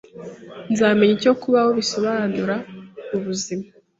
Nzamenya icyo kubaho bisobanura mubuzima